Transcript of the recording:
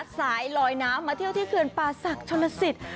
สายลอยน้ำมาเที่ยวที่เขื่อนป่าศักดิ์ชนลสิต